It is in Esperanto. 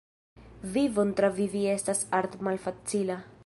Vivon travivi estas art' malfacila.